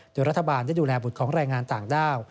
โดยรัฐบาลได้ดูแลบุตรของแรงงานต่างด้าว